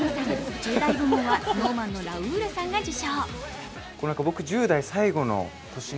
１０代部門はＳｎｏｗＭａｎのラウールさんが受賞。